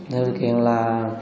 điều kiện là